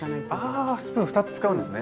ああスプーン２つ使うんですね！